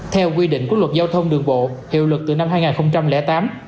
theo quy định của luật giao thông đường bộ hiệu lực từ năm hai nghìn tám